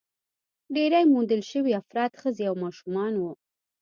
ډېری موندل شوي افراد ښځې او ماشومان وو.